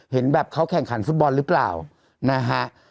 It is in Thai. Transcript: เห็นแบบเขาแข่งขันฟุตบอลหรือเปล่านะฮะ